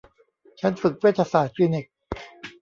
ฉันฝึกเวชศาสตร์คลินิก